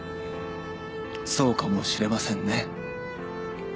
そうかもしれませんね。